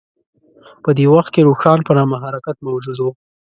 په دې وخت کې روښان په نامه حرکت موجود و.